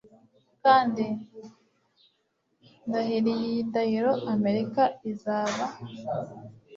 Kandi ndahiriye iyi ndahiro Amerika izaba!